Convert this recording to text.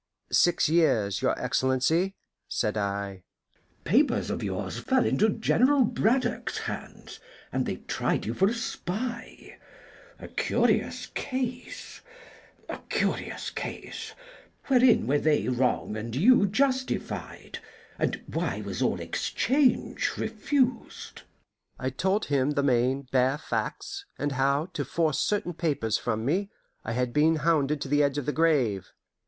"Six years, your Excellency," said I. "Papers of yours fell into General Braddock's hands, and they tried you for a spy a curious case a curious case! Wherein were they wrong and you justified, and why was all exchange refused?" I told him the main, the bare facts, and how, to force certain papers from me, I had been hounded to the edge of the grave.